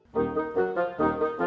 masih ada yang mau